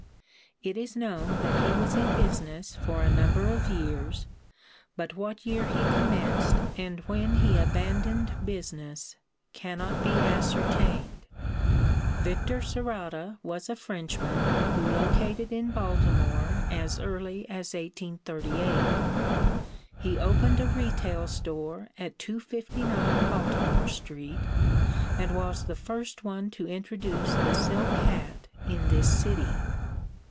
It is known that he was in business for a number of years, but what year he commenced and when he abandoned business cannot be ascertained. Victor Sarata was a Frenchman who located in Baltimore as early as 1838. He opened a retail store at 259 Baltimore street, and was the first one to introduce the silk hat in this city.